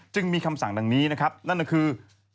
จึงมีคำสั่งดังนี้นั่นคือ